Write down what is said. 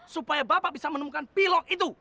supaya bapak bisa menemukan pilot itu